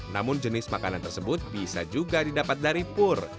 namun jenis makanan tersebut bisa juga didapat dari pur